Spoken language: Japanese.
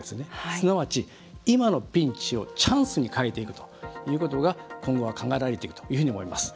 すなわち今のピンチをチャンスに変えていくということが今後は考えられていくと思います。